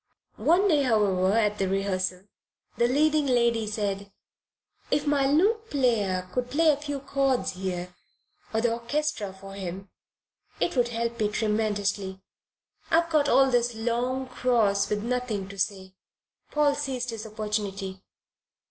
One day, however, at rehearsal the leading lady said: "If my lute player could play a few chords here or the orchestra for him it would help me tremendously. I've got all this long cross with nothing to say." Paul seized his opportunity.